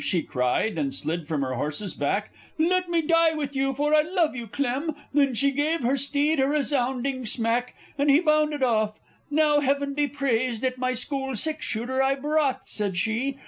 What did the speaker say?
she cried, and slid from her horse's back; "Let me die with you for I love you, Clem!" Then she gave her steed a resounding smack, And he bounded off; "Now Heaven be praised that my school six shooter I brought!" said she.